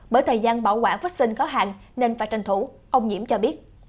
bởi thời gian bảo quản vaccine khó hạn nên phải tranh thủ ông nhiễm cho biết